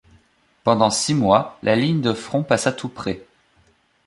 Pendant six mois, la ligne de front passa tout près.